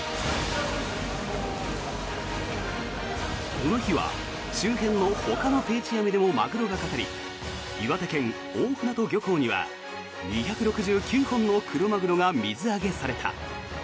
この日は、周辺のほかの定置網でもマグロがかかり岩手県・大船渡漁港には２６９本のクロマグロが水揚げされた。